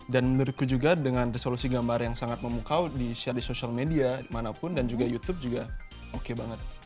dan menurutku juga dengan resolusi gambar yang sangat memukau di share di social media dimanapun dan juga youtube juga oke banget